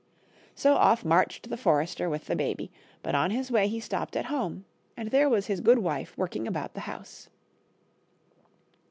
So off marched the forester with the baby ; but on his way he stopped at home, and there was his good wife working about the house.